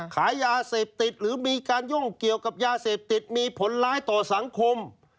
ขายยาเสพติดหรือมีการยุ่งเกี่ยวกับยาเสพติดมีผลร้ายต่อสังคม